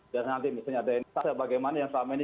dan nanti misalnya densas bagaimana yang selama ini